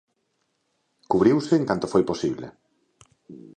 Cubriuse en canto foi posible.